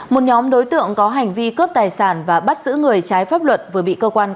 một nhóm đối tượng có hành vi cướp tài sản và bắt giữ người trái pháp luật vừa bị cơ quan